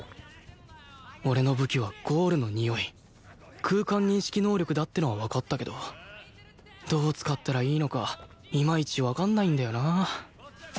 俺の武器はゴールのにおい空間認識能力だっていうのはわかったけどどう使ったらいいのかいまいちわかんないんだよな